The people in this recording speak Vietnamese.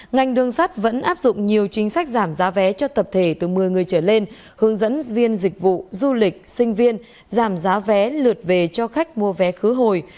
ngành đường sắt vẫn áp dụng nhiều chính sách giảm giá vé cho tập thể từ một mươi người trở lên hướng dẫn viên dịch vụ du lịch sinh viên giảm giá vé lượt về cho khách mua vé khứ hồi